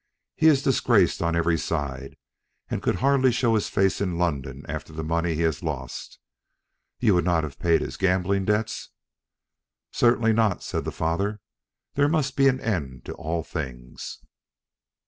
He is disgraced on every side, and could hardly show his face in London after the money he has lost. You would not have paid his gambling debts?" "Certainly not," said the father. "There must be an end to all things."